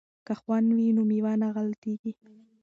که خوند وي نو مېوه نه غلطیږي.